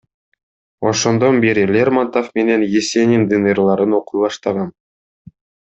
Ошондон бери Лермонтов менен Есениндин ырларын окуй баштагам.